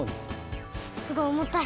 すごいおもたい。